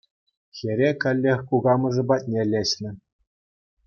Хӗре каллех кукамӑшӗ патне леҫнӗ.